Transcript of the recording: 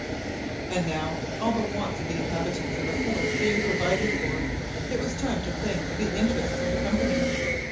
And now all the wants of the inhabitants of the fort being provided for, it was time to think of the interests of the Company.